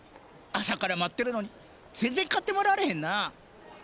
朝から待ってるのに全然買ってもらわれへんな。